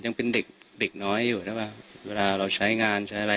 ยังเป็นเด็กเด็กน้อยอยู่ใช่ป่ะเวลาเราใช้งานใช้อะไร